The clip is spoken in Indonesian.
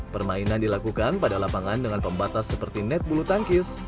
permainan dilakukan pada lapangan dengan pembatas seperti net bulu tangkis